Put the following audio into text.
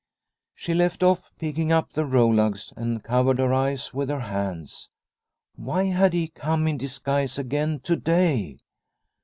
She left off picking up the rolags and covered her eyes with her hands. Why had he come in disguise again to day